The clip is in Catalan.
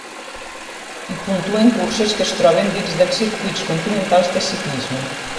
Hi puntuen curses que es troben dins dels circuits continentals de ciclisme.